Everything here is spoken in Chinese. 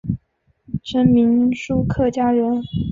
陈铭枢客家人。